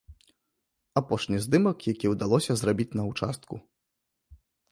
Апошні здымак, які удалося зрабіць на участку.